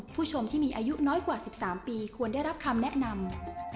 ผู้ชมที่มีอายุน้อยกว่า๑๓ปีควรได้รับคำแนะนำ